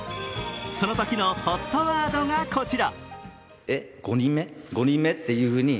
そのときのＨＯＴワードがこちら。